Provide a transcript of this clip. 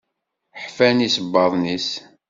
Ḥfan isebbaḍen-is.